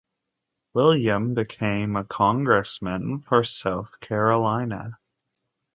William became a Congressman for South Carolina.